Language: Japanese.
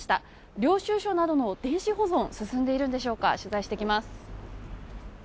領収書などの電子保存進んでいるんでしょうか、取材してきます。